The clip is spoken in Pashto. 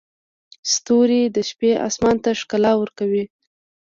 ستوري د شپې اسمان ته ښکلا ورکوي.